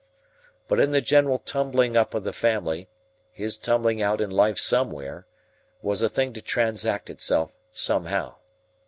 But in the general tumbling up of the family, his tumbling out in life somewhere, was a thing to transact itself somehow.